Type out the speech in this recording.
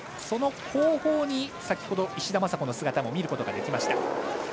その後方に石田正子の姿も見ることができました。